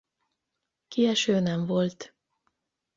Kieső nem volt.